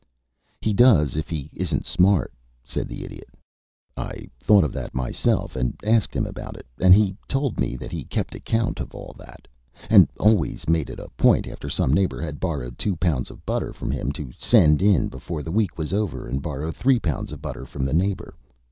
"He does if he isn't smart," said the Idiot. "I thought of that myself, and asked him about it, and he told me that he kept account of all that, and always made it a point after some neighbor had borrowed two pounds of butter from him to send in before the week was over and borrow three pounds of butter from the neighbor.